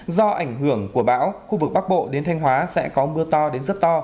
do ảnh hưởng của bão khu vực bắc bộ đến thanh hóa sẽ có mưa to đến rất to